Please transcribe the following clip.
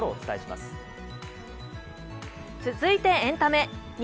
続いてエンタメ。